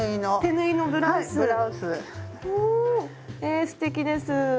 えすてきです。